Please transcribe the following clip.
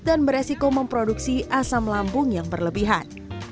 dan beresiko memproduksi asam lambung yang berlebihan